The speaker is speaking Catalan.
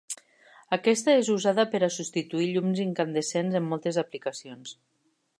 Aquesta és usada per a substituir llums incandescents en moltes aplicacions.